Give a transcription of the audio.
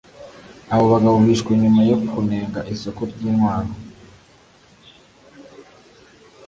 Aba bagabo bishwe nyuma yo kunenga isoko ry’intwaro